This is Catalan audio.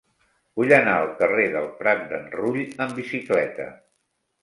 Vull anar al carrer del Prat d'en Rull amb bicicleta.